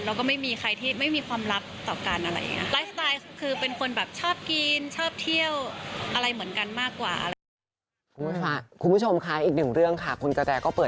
เราก็ไม่มีใครที่มีความลับกับการอะไรอย่างนี้